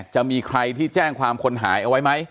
จะมีใครที่แจ้งความคนหายเอาไว้ไหม